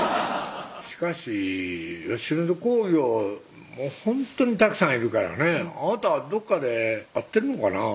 しかし吉本興業ほんとにたくさんいるからねあなたはどっかで会ってるのかなぁ？